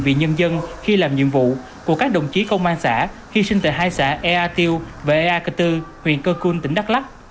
vì nhân dân khi làm nhiệm vụ của các đồng chí công an xã hy sinh tại hai xã ea tiêu và ea cơ tư huyện cơ cuôn tỉnh đắk lắc